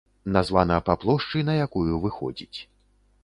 Названа па плошчы, на якую выходзіць.